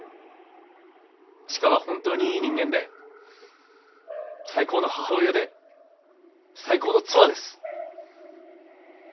千佳は本当にいい人間で最高の母親で最高の妻です。